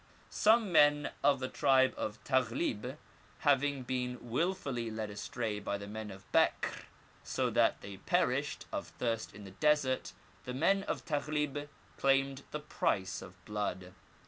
Some men of the tribe of Taghlib having been wilfully led astray by the men of Bekr, so that they perished of thirst in the desert, the men of Taghlib claimed the price of blood.